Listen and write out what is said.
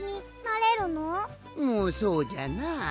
うんそうじゃなあ。